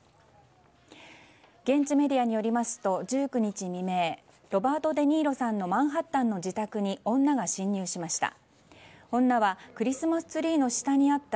現地メディアによりますと１９日未明ロバート・デ・ニーロさんのマンハッタンの自宅に女が侵入しました。